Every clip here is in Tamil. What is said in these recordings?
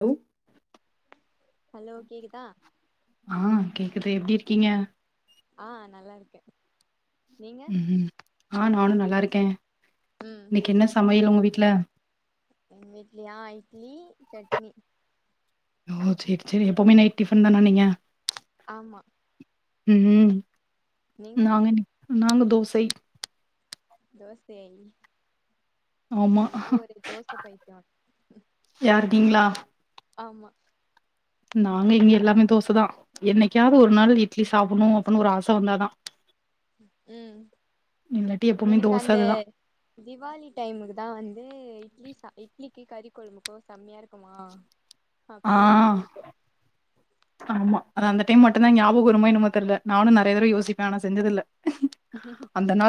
ஹலோ ஹலோ கேக்குதா ஆ கேக்குது எப்டி இருக்கீங்க ஆ நல்லா இருக்கே நீங்க உம் ஆ நானு நல்லா இருக்கே ம் இன்னைக்கு என்ன சமையல் உங்க வீட்ல இன்னக்கியா இட்லி சட்னி ஓ சேர் சேரி எப்பமே நைட் டிஃபன் தானா நீங்க ஆமா உம் நீங்க நாங்க இன் நாங்க தோசை தோசை ஆமா நா வந்து ஒரு தோச பைத்தியோ யாரு நீங்களா ஆமா நாங்க இங்க எல்லாமே தோசைதா என்னைக்காவது ஒரு நாள் இட்லி சாப்ணு அப்ன்னு ஒரு ஆச வந்தாதா உம் இல்லாட்டி எப்பவுமே எனக்கு தோச அந்த அதுதா திவாலி டைமுக்கு தான் வந்து இட்லி ச இட்லிக்கு கறி கொழபுக்கும் செம்மையா இருக்குமா ஆ அப்பதான் ரொம்ப புடிக்கும் ஆமா அது அந்த டைம் மட்டும்தான் ஞாபகம் வருமா தெரியல நானும் நிறைய தரம் யோசிப்பேன் ஆன செஞ்சதுல்ல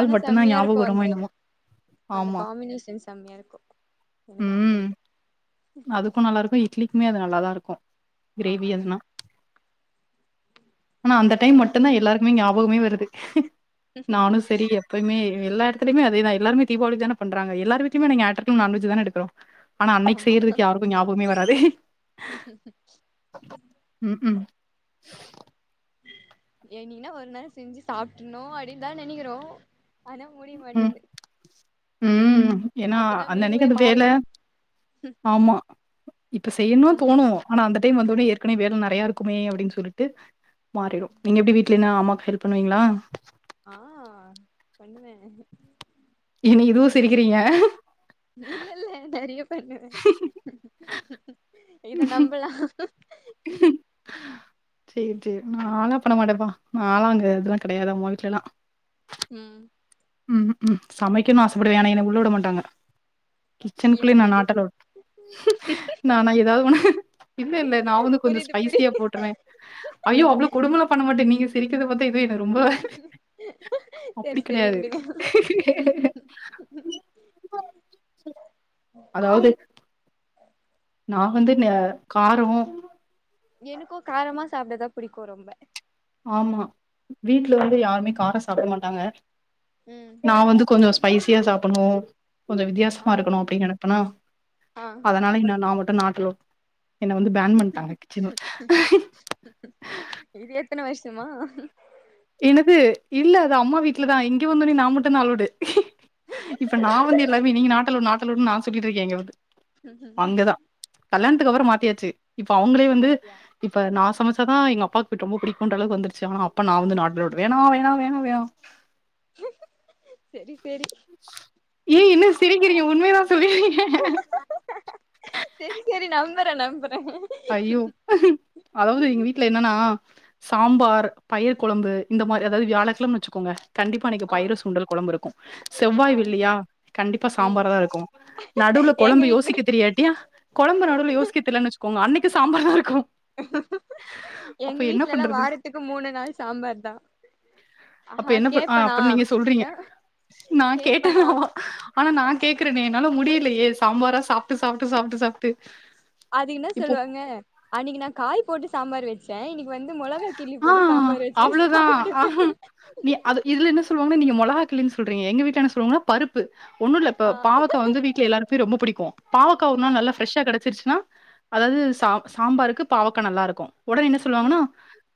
ஆனா செம்மியா இருக்கும் அந்த என்னமோ அந்த ஆமா காம்பினேஷன்ஸ் செம்மியா இருக்கும் எனக்கு ரொம்ப பிடிக்கும் அதுக்கும் நல்லா இருக்கும் இட்லிக்குமே அது நல்லாதான் இருக்கும் கிரேவி எதுனா ஆ ஆனா அந்த டைம் மட்டும் தான் எல்லாருக்குமே ஞாபகமே வருது நானும் சரி எப்பயுமே எல்லா எடத்தைதிலுமே அததே தீபாவளிக்கு தான் பண்றங்க எல்லாருவிட்லயும் ஞாயிற்றுகிழமை நான்வெஜ் தான் பண்ணறாங்க ஆனா அன்னைக்கு செய்யறதுக்கு யாருக்கும் ஞாபகமே வராது ம் ம் ம் ம் ஏ நீனா ஒரு நாளுளம் செஞ்சு சாப்பிடனும் அப்படின்னு தான் நினைக்கிறோம் ஆனா முடிய ம். மாட்டேந்து ம் ஏன்னா அப்பதா அந்தனைக்கு மெனுவே அது வேலை மாறிடுது ஆமா இப்ப செய்யணும் தோணும் ஆனா அந்த டைம் வந்த உடனே ஏற்கனவே வேலை நிறையா இருக்குமே அப்படின்னு சொல்லிட்டு ஆமா மாறிடும் நீங்க எப்படி வீட்டுல என்னா அம்மாக்கு ஹெல்ப் பண்ணுவீங்களா ஆ பண்ணுவேன் என்ன இதுவும் சிரிக்கிறீங்க இல்ல இல்ல நிறைய பண்ணுவேன் இதான் நம்பலாம் ம் சரி சரி நாளா பண்ண மாட்டேன்ப்பா நாளாம் அங்கே இதெலாம் கிடையாது அவங்க வீட்டலலாம் ம் ம் ம் சமைக்கணன்னனு ஆசைப்படுவேன் ஆனா என்ன உள்ளே விட மாட்டாங்க ஏ கிச்சனுக்குள்ளய நான் நாட் அலோடு நானான் ஏதாவது ஒண்ணு இல்ல இல்ல நான் வந்து கொஞ்சம் புரியுது ஸ்பைசியா புரியுது போட்டுறுவேன் ஐயோ அவ்வள கொடும்பல பண்ண மாட்டே மிஸ் [unintelligible] தெக்கிறது வந்து எதுவும் என சரி சரி கிடையாது. விடுங்க அதாவது நான் வந்து ந காரம் எனக்கும் காரமா சாப்பிடதா புடிக்கும் ரொம்ப ஆமா வீட்டுல வந்து யாருமே காரம் சாப்பிட மாட்டாங்க ம் நான் வந்து கொஞ்சொ ஸ்பைசியா சாப்பட்னு கொஞ்சொ ஆ வித்தியாசமா இருக்கணு அப்டி நெனப்பனா ஆ அதனால என்ன நா மட்டு நாட் அலோட் இது எத்தன வர்ஷமா என்னது இல்ல அது அம்மா வீட்லதா இங்க வந்தொனே நா மட்டுந் தா அளோடு இப்ப நா வந்து எல்லாமே நீங்க நாட்டலவ்டு நாட்டலவ்டுனு நா சொல்லிட்ருக்கே இங்கெ வந்து அங்கதா கல்யாணத்துக்கு அப்பறொ மாத்தியாச்சு இப்ப அவுங்களே வந்து அப்டியா இப்ப நா சமச்சா தா எங்க அப்பாக்கு ரொம்ப புடிக்குன்ற அளவுக்கு வந்துர்ச்சு ஆனா அப்ப நா வந்து நாட் அலோட் வேனா வேனா வேனா வேனா செரி செரி ஏ என்ன சிரிக்கிறீங்க உண்மையதா சொல்லி செரி செரி நம்புறே நம்புறே அய்யோ அதாவ்து எங்க வீட்டல என்னன்னா சாம்பார் பயிர் குழம்பு இந்த மாரி அதாவ்து வியாழக்கெழமன் வச்சுக்கோங்க கண்டிப்பா அன்னக்கி ஆ பயிறு சுண்டல் கொழம்பு இருக்கு ஆ செவ்வாய் வெள்ளியா கண்டிப்பா ம் சாம்பார் தா இருக்கு நடுவுல எங்க கொழம்பு வீட்ல யோசிக்க தெரியாட்டியா கொழம்பு நடுவுல யோசிக்க தெர்லன்னு வச்சுக்கோங்க அன்னைக்கு சாம்பார் தா இருக்கு எங்க வீட்லல்லா பண்றது? வாரத்துக்கு மூனு நாள் சாம்பார் தா அப்ப அஹா என்ன பண் அ கேப்பனா அப்ப நீங்க சொல்றீங்க. இன்ன நா கேட்டெனாவா ஆனா நா கேக்குறனே என்னால முடியலையே சாம்பாரா சாப்ட்டு சாப்ட்டு சாப்ட்டு சாப்ட்டு அது இன்ன இப்போ சொல்லுவாங்க அன்னக்கி நா காய் போட்டு சாம்பார் வெச்சே இன்னக்கி வந்து மொள கா கிள்ளி ஆ போட்டு சாம்பார் அவ்ளோதா வச்சுக்குறே நீ ஆ சாப்டு நீ அது இதுல என்ன சொல்லுவாங்கனா நீங்க மொளகா கிள்ளினு சொல்றீங்க எங்க வீட்ல என்ன சொல்லுவாங்க பருப் ப்பு ஒன்னு இல்ல இப்ப ஆ பாவக்கா வந்து வீட்ல எல்லாருக்மே ரொம்ப புடிக்கு பாவக்கா ஒரு ஆ நாள் நல்லா ஃப்ரெஷ்ஷா கெடச்சிருச்சுன்னா அதாவ்து சா சாம்பாருக்கு பாவக்கா நல்லா இருக்கு ஒடனே என்ன ம் சொல்லுவாங்கனா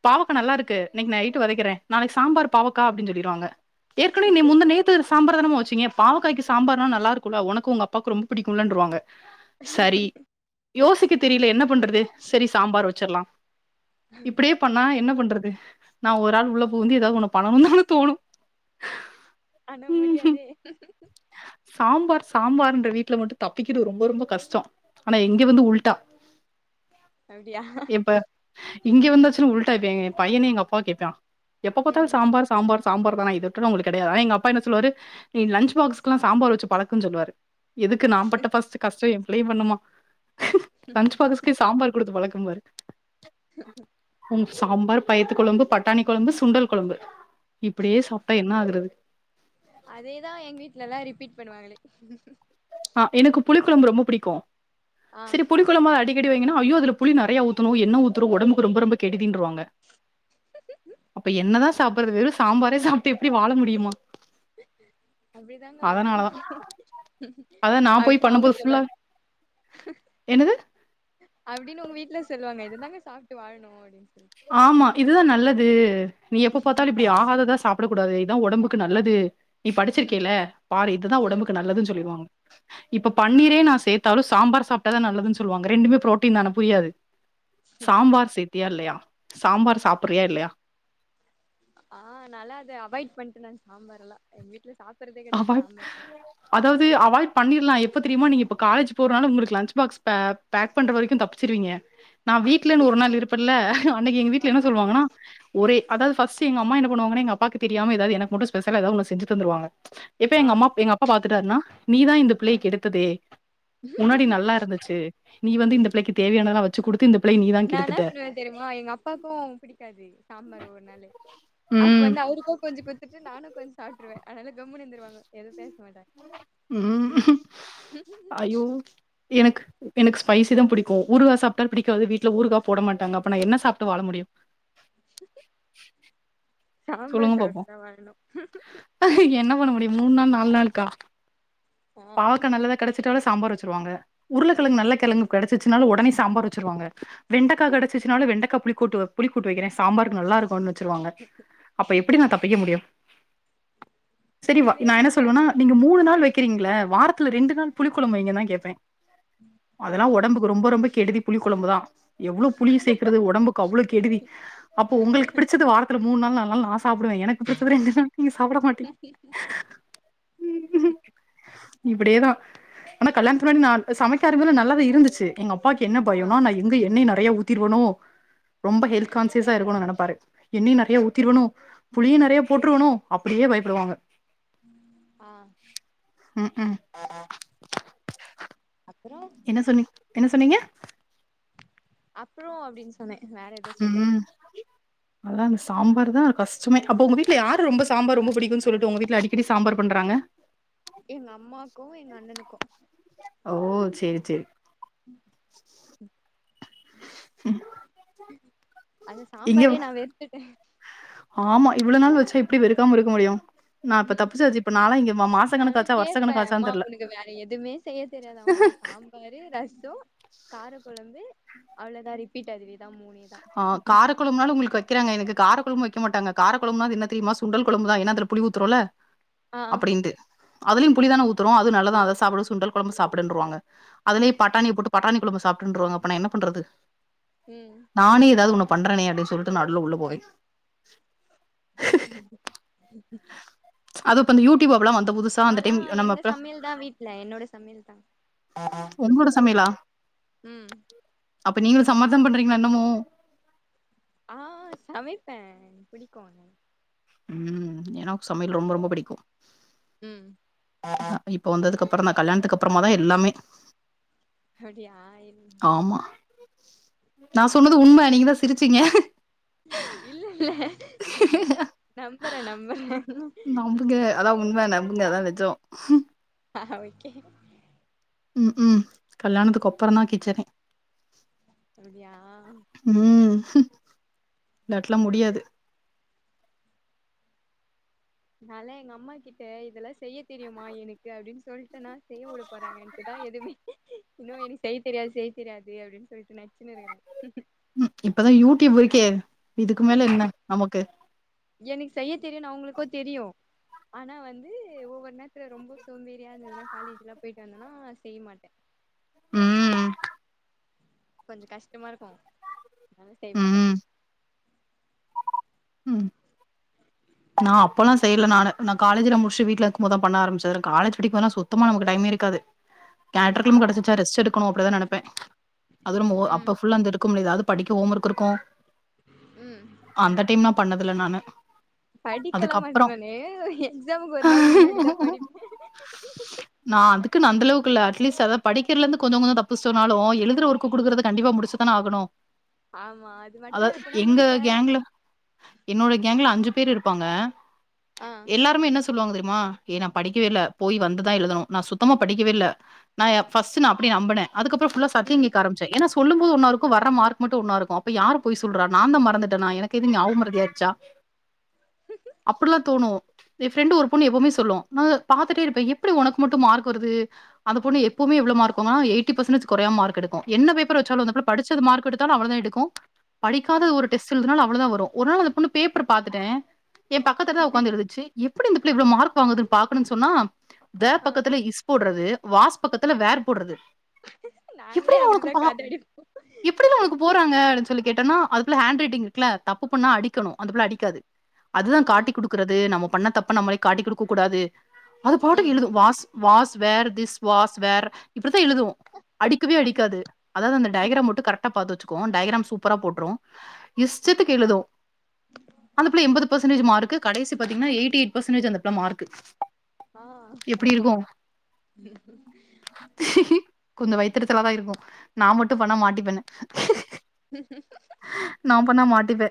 பாவக்கா நல்லாருக்கு இன்னக்கி நைட்டு வதக்கிறே நாளக்கி சாம்பார் பாவக்கா அப்டின்னு சொல்லிருவாங்க ஏற்கனே நே முந்து நேத் து சாம்பார் தானமா வச்சிங்க பாவக்காய்க்கு சாம்பார்னா நல்லா இருக்குல்ல ஒனக்கு ஒங்கப்பாக்கு ரொம்ப புடிக்குல்லன்ருவாங்க சரி யோசிக்க தெரியல என்ன பண்றது செரி சாம்பார் வச்சுர்லா இப்டியே பண்ணா என்ன பண்றது நா ஒரு ஆள் உள்ள புகுந்து ஏதாது ஒன்னு பண்ணனு தான தோணு ஆனா ம் முடியாதே சாம்பார் சாம்பார்ன்ற வீட்ல மட்டு தப்பிக்கிறது ரொம்ப ரொம்ப கஷ்டோ ஆனா இங்கெ வந்து உல்ட்டா அப்டியா இப்ப இங்கெ வந்தாச்சுனா உல்ட்டா இப்ப எங்க பையனே எங்க அப்பாவ கேப்பா எப்ப பாத்தாலு ம் சாம்பார் சாம்பார் சாம்பார் தானா இத விட்ட உங்ளுக் கெடையாதா எங்கப்பா என்ன சொல்லுவாரு நீ லன்ச் பாக்ஸ் க்குலா சாம்பார் வச்சு பழக்குன் சொல்லுவாரு எதுக்கு நா பட்ட ஃபர்ஸ்ட் கஷ்டோ எ பிள்ளயு பட்ணுமா லன்ச் பாக்ஸ்க்கே சாம்பார் குடுத்து பழக்கும்பாரு உங் சாம்பார் பயித்து கொழம்பு பட்டாணி கொழம்பு சுண்டல் கொழம்பு இப்டியே சாப்ட்டா என்ன ஆகுறது அதேதா எங்க வீட்லல்லா ரிப்பீட் பண்ணுவாங்களே ஆ எனக்கு புளி கொழம்பு ரொம்ப புடிக்கு ஆ செரி புளி கொழம்ப அடிக்கடி வைங்கன்னா ஐயோ அதுல புளி நெறைய ஊத்தணு எண்ண ஊத்துறோ ஒடம்புக்கு ரொம் ரொம்ப கெடிதின்ருவாங்க அப்ப என்னதா சாப்பட்றது வெறு சாம்பாரே சாப்ட்டு எப்டி வாழ முடியுமா அப்டிதாங்க வாழணு அதனாலதா அதா நா போய் அப்டினு அவங்க பண்ணும்போது ஃபுல்லா சொல்வாங்க என்னது அப்டினு உங்க வீட்ல சொல்லுவாங்க இததாங்க சாப்ட்டு வாழணு அப்டினு சொல்ட் ஆமா இதுதா நல்லது நீ எப்ப பாத்தாலு இப் ப்டி ஆகாததா சாப்டக்கூடாது இதா ஒடம்புக்கு நல்லது நீ படிச்சிருக்கேல பாரு இதுதா ம் ஒடம்புக்கு நல்லதுனு சொல்லிருவாங்க இப்ப பன்னீரே நா சேத் தாலு சாம்பார் சாப்ட்டாதா நல்லதுன்னு சொல்லுவாங்க ரெண்டுமே ப்ரோட்டீன் தான புரியாது சாம்பார் சே த்தியா இல்லையா சாம்பார் சாப்புறியா இல்லயா ஆ நாலா அது அவாய்ட் பண்ணிட்டேன சாம்பாரல்லா எங் வீட்ல சாப்பறதே கெடையாது அவாய் சாம்பார் அதாவ்து அவாய்ட் பண்ணிர்லா எப்போ தெரியுமா நீங்க இப்ப காலேஜ் போறனால உங்களுக்கு லஞ்ச் பாக்ஸ் பே பேக் பண்ற வரைக்கு தப்பிச்சிருவீங்க நா வீட்லன்னு ஒரு நாள் இருப்பன்ல அன்னைக்கு எங்க வீட்ல என்ன ஆமா சொல்லுவாங்கன்னா ஒரே அதாவ்து ஃபஸ்ட் எங்க அம்மா என்ன பண்ணுவங்கன்னா எங்கப்பாக்கு தெரியாம எதாது எனக்கு மட்டு ஸ்பெஷலா எதா ஒன்னு செஞ்சு தந்துருவாங்க இப்ப ஆ எங்க அம்மா எங்க அப்பா பாத்துட்டாருனா நீதா இந்த புள்ளய கெடுத்ததே முன்னாடி நல்லாருந்துச்சு நீ வந்து இந்த பிள்ளைக்கு தேவையானதுலா வச் ச்சு குடுத்து இந்த பிள்ளய நீ தான் நா என்ன கெடுத்துட்ட." பண்ணுவே தெரியுமா எங்க அப்பாக்கு பிடிக்காது சாம்பார் ஒவ்வொர் நாளு அப்ப ம். வந்து அவரு க்கு கொஞ்சோ குத்துட்டு நானு கொஞ்சோ சாப்ட்ருவே அதனால கம்முனு இருந்துருவாங்க எது பேச மாட்டா ம் அயோ எனக்கு எனக்கு ஸ்பைசி தா புடிக்கு ஊறுகா சாப்ட்டால் பிடிக்காது வீட்ல ஊறுகா போட மாட்டாங்க அப்பனா என்ன சாப்ட்டு வாழ முடியு சொல்லுங்க சாம்பார் பாப்போம். சாப்ட்டு தா வாழணு என்ன பண்ண முடியு மூன் நாள் நாலு நாள்க்கா ஆ பாவக்கா நல்லதா கெடைச்சுட்டாலு சாம்பார் வச்சுருவாங்க உருள கெழங்கு நல்ல கெழங்கு கெடைச்சுச்னாலு உடனே சாம்பார் வச்சுருவாங்க வெண்டக்கா கெடச்சுச்னாலு வெண்டக்கா புளிக்கூட்டு வ புளிக்கூட்டு வக்கிறே சாம்பார்க்கு நல்லாருக்குன்னு வச்சுருவாங்க அப்ப எப்டி நா தப்பிக்க முடியு சரிவா முடியவே நா என்ன சொல்வனா முடியாது நீங்க மூணு நாள் வை க்ரீங்கள வாரத்துல ரெண்டு நாள் புளி கொழம்பு வைங்கன்தா கேப்பே ஆ அதெல்லா ஒட டம்புக்கு ரொம்ப ரொம்ப கெடுதி புளி கொழம்புதா எவ்ளோ புளிய சேக்கிறது ஒடம்புக்கு அவ்ளோ கெடுதி அப்போ உங்களுக் புடிச்சது வாரத்துல மூணு நாள் நாலு நாள் சாப்புடுவே எனக்கு புடிச்சது ரெண்டு நாள் நீங்க சாப்பிட மாட்டீங் இப்டியேதா ஆனா கல்யாணத்துக்கு முன்னாடி நா சமைக்க ஆரம்பிக்கல நல்லாதா இருந்துச்சு எங்க அப்பாவுக்கு என்ன ஆ பயோனா நா எங்க எண்ணெய நெறைய ஊத்திருவனோ ரொம்ப ஹெல்த் கான்சியஸ்ஸா இருக்கோனு நெனப்பாரு எண்ணெய்யு நெறைய ஊத்திருவேன்னோ புளிய நெறைய போட்டுருவேன்னோ அப்டியே பயப்புடுவாங்க ஆ ம் ம் அப்பறோ என்ன சொன்னீ என்ன சொன்னீங்க அப்பறோ அப்டின் சொ ம் ம் அதா இந்த சாம்பார்தா ஒரு கஷ்டமே அப்ப உங்க வீட்ல யாரு ரொம்ப சாம்பார் ரொம்ப புடிக்குன்னு சொல்ட்டு உங்க வீட்ல அடிக்கடி சாம்பார் பண்றாங்க எங்க அம்மாக்கு எங்க அண்ணனுக்கு ஓ செரி செரி ம் ம் ம் அது இங்க சாம்பாரே நா வெறுத்துட்டே ஆமா இவ்ளோ நாள் வச்சா எப்டி வெறுக்காம இருக்க முடியு [inaudible] அதெல்லாம் கணக்காச்சா வருஷ கேப்பேன் கணக்காச்சான்னு அம்மா தெர்ல உனக்கு வேற எதுவுமே செய்ய தெரியாதமா சாம் பாரு ரசம் கார குழம்பு அவ்வளோதான் ரிப்பீட் அதுவே தான் மூணு ஆ கார குழம்புனாவது உங்களுக்கு வக்கிறாங்க எனக்கு கார குழம்பு வைக்க மாட்டங்க கார குழம்புனா என்ன தெரியுமா சுண்டல் குழம்பு தான் ஏனா புளி ஊத்துறோம்ல ஆ அப்படின்ட்டு அதுலயும் புளிதானே ஊத்துறோம் அது நல்லதான் அத சாப்பிட சுண்டல் குழம்பு சாப்பிடுன்றுவாங்க அதுலயும் பட்டாணி போட்டு பட்டாணி குழம்பு சாப்பிட்டுருவாங்க அப்பனா என்ன பண்றது உம் நானே ஏதாவது ஒன்னு பண்றேனே அப்படின்னு சொல்ட்டு நடுவுல உள்ள போவேன் உம் ம்க்கும் அது இப்ப அந்த யூடியூப் வந்த போது நாலாம் எங்க சமையல் தான் வீட்டுல என்னோட சமையல் தான் [inaudible] உன்னோட சமையலா உம் அப்ப நீங்களும் சம்மதம் பண்றீங்களா இன்னமும் ஆ சமைப்பேன் புடிக்கும் அதனால உம் ஏன்னா சமையல் ரொம்ப ரொம்ப புடிக்கும் ம் [inaudible] இப்ப வந்ததுக்கு அப்புறம் தான் கல்யாணத்துக்கு அப்பறமா தான் எல்லாமே அப்டியா இல் ஆமா நான் சொன்னது உண்மை நீங்கதான் சிரிச்சீங்க இல்ல இல்ல [inaudible] நம்புறேன் நம்புறேன் அலவு உண்மை நம்புங்க அதான் நெஜம் ஆ ஓகே உம் உம் கல்யாணத்துக்கு அப்புறம் தான் கிச்சனே அப்படியா உம் [inaudible] இல்லாட்லாம் முடியாது நானலாம் எங்க அம்மா கிட்ட இதெல்லாம் செய்ய தெரியுமா எனக்கு அப்படின்னு சொல்லிட்டு நான் செய்ய விட போறாங்கன்ட்டுதான் எதுவுமே இன்ன எனக்கு செய்ய தெரியாது செய்ய தெரியாது அப்டினு சொல்லிட்டு நச்சுன்னு இருக்கிற ம் இப்பதா யூடியூப் இருக்கே இதுக்கு மேல என்ன நமக்கு எனக்கு செய்ய தெரியுனு அவங்களுக்கு தெரியு ஆனா வந்து ஒவ்வொரு நேரத்துல ரொம்ப சோம்பேறியா இருந்ததுன்னா காலேஜ்லா போயிட்டு வந்தேன்னா செய்ய மாட்ட ம் கொஞ்ச கஷ்டமா இருக்கு அதா செய்ய மாட்ட ம் நா அப்பல்லா செய்ல நானு காலேஜ்ல முடிச்சிட்டு வீட்ல இருக்கு போது பண்ண ஆரமிச்சது காலேஜ் படிக்குபோது சுத்தமா நமக்கு டைமே இருக்காது ஆ ஆ ஞாயிற்றுக்கிழம கிடைச்சுதா ரெஸ்ட் எடுக்கணு அப்டிதா நெனைப்பே அது ம் அப்ப ஃபுல்ல அங்க எடுக்க முடியாது படிக்க ஓம் ஒர்க் இருக்கு ம் அந்த டைம்லா நா பண்ணதுல நானு படிக்கலா மாட்ன அதுக்கப்புறம் நானு எக்ஸாமுக்கு ஒரு நாள் முன்னாடிதா படிப்பே நா அதுக்கு அந்தளவுக்கு இல்ல அட்லிஸ்ட் படிக்கிறதுல இருந்து கொஞ்ச கொஞ்ச தப்பு சொன்னாலு எழுதுற ஒர்க் குடுக்றது கண்டிப்பா முடிச்சி தான ஆகணு ஆமா அது மட்டு அதாவது எப்பனா எங்க முடிப்பே கேங்க்ல என்னோட கேங்ல அஞ்சு பேர் இருப்பாங்க ஆ எல்லாருமே என்ன சொ சொல்லுவாங்க தெரியுமா ஏ நா படிக்கவே இல்ல போய் வந்துதா எழுதணு நா சுத்தமா படிக்கவே இல்ல நா ஃபஸ்ட் நா அப்டியே நம்பினே அதுக்கப்புற புல்லா சத்த ம் கேக்க ஆரம்பிச் சி ஏன்னா சொல்லுபோது ஒன்னா இருக்கு வர மார்க் மட்டு ஒன்னா இருக்கு அப்ப யார் பொய் சொல்றா நா தா மறந்துட்டேனா எனக்கு ஏது ஞாபகமறதியாச்சா [inaudible] அப்பல்லா தோணு என் ஃப்ரெண்டு ஒரு பொண்ணு எப்பவுமே சொல்லு பாத்துட்டே இருப்பே எப்டி உனக்கு மட்டு மார்க் வருது அந்த பொண்ணு எப்பவுமே எவ்ளோ மார்க் நா எய்ட்டி பர்சன்டேஜ் குறையாம மார்க் எடுக் என்ன பேப்பர் வச்சாலு ம் அந்தபுள்ள படிச்சது மார்க் எடுத்தாலு அந்த மார்க் தா எடுக்கு படிக்காத ம் ஒரு டெஸ்ட் எழுதுனாலு அவ்ளோதா வரு ஒரு நாள் அந்த பொண்ணு பேப்பர் பாத்துட்ட என் பக்கத்துள தா உட்காந்து எழுதுச்சு எப்டி இந்த புள்ள இவ்ளோ மார்க் வாங்குதுன்னு பாக்னுன்னு சொன்னா தே ஆ பக்கத்துல ஸ் போட்றது வாஸ் பக்கத்துல வேர் போட்றது நாங்களே அப்டிதா கத அடிப்போ எப்டிடா உனக்கு போறாங்க அப்டின்னு சொல்லி கேட்டோனா அதுக்குல்ல ஹேண்ட் ரைட்டிங் இருக்குல்ல தப்பு பண்ணா அடிக்கனு அந்த புள்ள அடிக்காது அதுதா ஆ காட்டி கொடுக்கறது நம்ம பண்ண தப்பு நம்மளே காட்டி கொடுக்க கூடாது அது பாட்டுக்கு ம் எழுது was was where this was where இப்டித்தா எழுது அடிக்கவே அடிக்காது அததா அந்த டயக்ராம் மட்டு கரெக்ட்டா பாத்து வெச்சிகு சூப்பரா போட்ரு இஷ்டத்துக்கு எழுது அந்த புள்ள எண்பது பர்சன்டேஜ் மார்க் கடைசி பாத்தீங்னா எயிட்டி எயிட் பர்சன்டேஜ் அந்த புள்ள மார்க் ஆ கொஞ்ச வைத்தரிச்சலாதா இருக்கு நா மட்டு பண்ணா மாட்டிப் பெண்ணு [inaudible] நா பண்ணா மாட்டிப்பே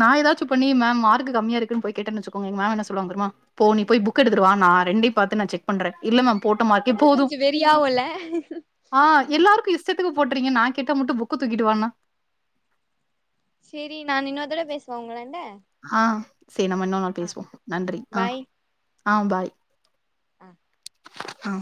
நா ஏதாச்சு பண்ணி மேம் மார்க் கம்மியா இருக்குன்னு போய் கேட்டேனு வச்சுக்கோயா எங்க மேம் என்ன சொல்லுவாங்க தெரியுமா போ நீ போய் புக் எடுத்துட்டு வா நா ரெண்டையு பாத்து நா செக் பண்ற இல்ல மேம் போட்டமாக்கி அப்பதா எப்போது கொஞ்சோ வெறியாவுல்ல அ எல்லார்க்கு இஸ் டத்துக்கு போட்றீங்க நா கேட்டா மட்டு புக்க தூக்கிட்டு வானா செரி நா இன்னொருதடவ பேசு வாங்குவேன்ல ஆ சரி நம்ம இன்னொரு நாள் பேசுவோ நன்றி ஆ பாய் ஆ பாய் ஆ ஆ